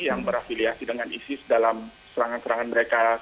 yang berafiliasi dengan isis dalam serangan serangan mereka